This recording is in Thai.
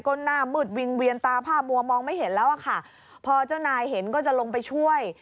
ก็หน้ามืดวิงเวียนตาผ้ามัวมองไม่เห็นแล้วอะค่ะพอเจ้านายเห็นก็จะลงไปช่วย